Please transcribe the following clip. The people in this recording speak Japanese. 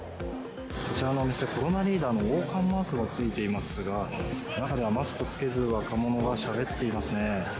こちらのお店、コロナマークの王冠マークがついていますが、中ではマスクを着けず、若者がしゃべっていますね。